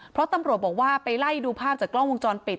เพราะตำรวจบอกว่าไปไล่ดูภาพจากกล้องวงจรปิด